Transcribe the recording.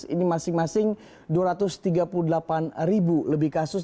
ini masing masing dua ratus tiga puluh delapan ribu lebih kasus